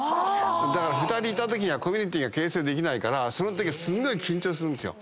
だから２人いたときにはコミュニティーが形成できないからそのときすごい緊張するんです。